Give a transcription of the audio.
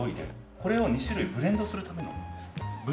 これを２種類ブレンドするためのものです。